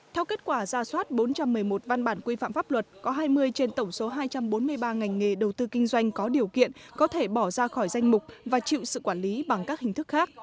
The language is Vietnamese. theo kết quả ra soát bốn trăm một mươi một văn bản quy phạm pháp luật có hai mươi trên tổng số hai trăm bốn mươi ba ngành nghề đầu tư kinh doanh có điều kiện có thể bỏ ra khỏi danh mục và chịu sự quản lý bằng các hình thức khác